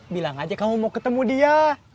bilang aja kamu mau ketemu dia